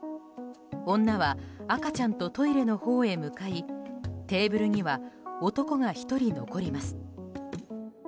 女は、赤ちゃんとトイレのほうに向かいテーブルには男が１人残ります。